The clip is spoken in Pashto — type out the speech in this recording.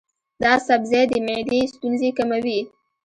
دا سبزی د معدې ستونزې کموي.